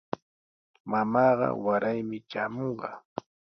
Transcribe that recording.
Mamaaqa waraymi traamunqa.